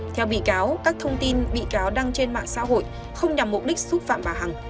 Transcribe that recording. theo bị cáo các thông tin bị cáo đăng trên mạng xã hội không nhằm mục đích xúc phạm bà hằng